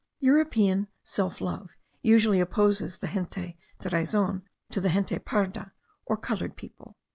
European self love usually opposes the gente de razon to the gente parda, or coloured people.)